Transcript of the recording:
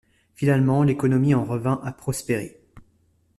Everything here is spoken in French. Finalement, l'économie en revint à prospérer.